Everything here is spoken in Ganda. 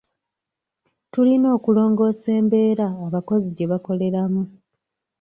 Tulina okulongoosa embeera abakozi gye bakoleramu.